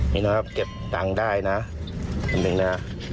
นี่นะครับเก็บตังค์ได้นะอันหนึ่งนะ